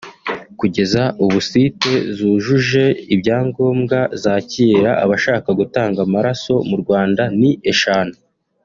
Kugeza ubu site zujuje ibyangombwa zakira abashaka gutanga amaraso mu Rwanda ni eshanu